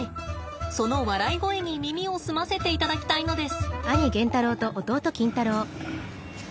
その笑い声に耳を澄ませていただきたいのです。